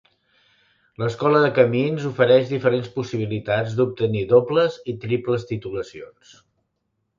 L'Escola de Camins ofereix diferents possibilitats d'obtenir dobles i triples titulacions.